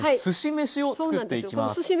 すし飯を作っていきます。